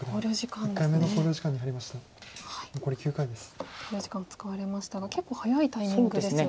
考慮時間を使われましたが結構早いタイミングですよね。